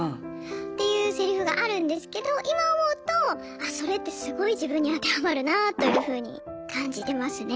っていうセリフがあるんですけど今思うとあそれってすごい自分に当てはまるなというふうに感じてますね。